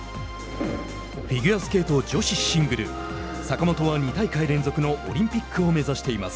フィギュアスケート女子シングル坂本は２大会連続のオリンピックを目指しています。